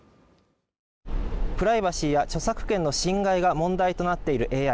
プライバシーや著作権の侵害が問題となっているＡＩ